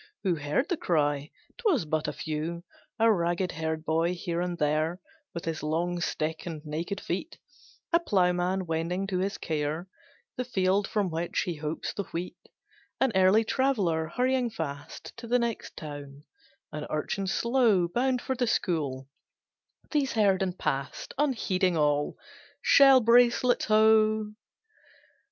Who heard the cry? 'Twas but a few, A ragged herd boy, here and there, With his long stick and naked feet; A ploughman wending to his care, The field from which he hopes the wheat; An early traveller, hurrying fast To the next town; an urchin slow Bound for the school; these heard and past, Unheeding all, "Shell bracelets ho!"